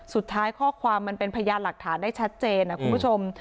สุดท้ายข้อความมันเป็นพยานหลักฐานได้ชัดเจนนะคุณผู้ชม